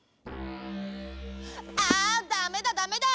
あダメだダメだ！